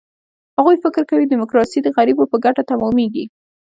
هغوی فکر کوي، ډیموکراسي د غریبو په ګټه تمامېږي.